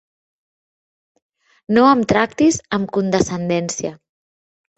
No em tractis amb condescendència.